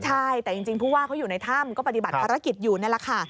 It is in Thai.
ใช่แต่จริงผู้ว่าเขาอยู่ในถ้ำก็ปฏิบัติภารกิจอยู่นี่แหละค่ะ